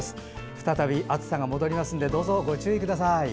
再び暑さが戻りますのでどうぞご注意ください。